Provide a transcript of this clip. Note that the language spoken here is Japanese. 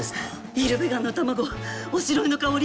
イルベガンの卵おしろいの香り。